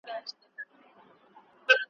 چي کلونه کلونه یې انتظار